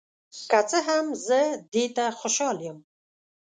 که څه هم، زه دې ته خوشحال یم.